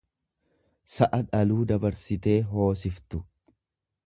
sa'a dhaluu dabarsitee hoosiftu.